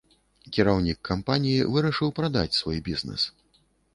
Кіраўнік кампаніі вырашыў прадаць свой бізнэс.